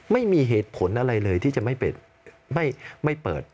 ไม่มีเหตุผลอะไรเลยที่จะไม่เปิด